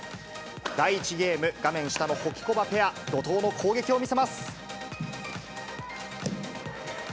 第１ゲーム、画面下のホキコバペア、怒とうの攻撃を見せます。